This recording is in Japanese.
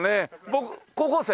僕高校生？